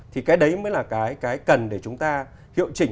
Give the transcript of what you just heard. thì cái đấy mới là cái cần để chúng ta hiệu chỉnh